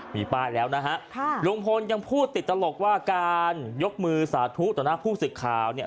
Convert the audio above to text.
มีป้ายแล้วนะฮะลุงพลยังพูดติดตลกว่าการยกมือสาธุต่อหน้าผู้สื่อข่าวเนี่ย